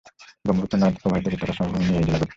ব্রহ্মপুত্র নদ প্রবাহিত উপত্যকার সমভূমি নিয়ে এই জেলা গঠিত।